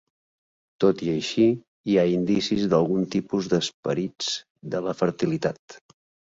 Tot i així, hi ha indicis d'algun tipus d'esperits de la fertilitat.